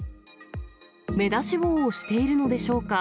目出し帽をしているのでしょうか。